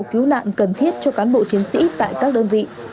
cứu nạn cần thiết cho cán bộ chiến sĩ tại các đơn vị